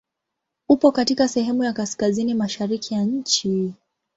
Upo katika sehemu ya kaskazini mashariki ya nchi.